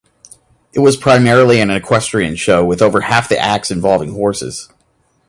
It was primarily an equestrian show with over half the acts involving horses.